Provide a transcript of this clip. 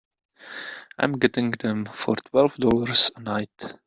I'm getting them for twelve dollars a night.